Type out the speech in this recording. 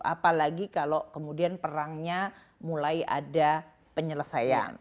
apalagi kalau kemudian perangnya mulai ada penyelesaian